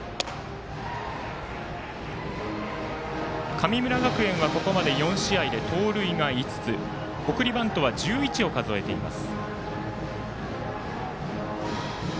神村学園は、ここまで４試合で盗塁が５つ送りバントは１１を数えています。